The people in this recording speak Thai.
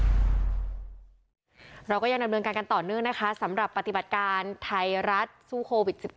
เราก็ยังดำเนินการกันต่อเนื่องนะคะสำหรับปฏิบัติการไทยรัฐสู้โควิด๑๙